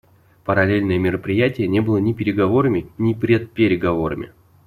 Параллельное мероприятие не было ни переговорами, ни предпереговорами.